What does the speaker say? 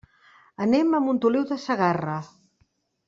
Anem a Montoliu de Segarra.